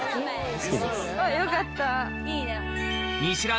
よかった。